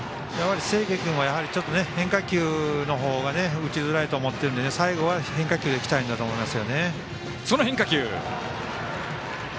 清家君は変化球の方が打ちづらいと思ってるので最後は変化球でいきたいんだと思います。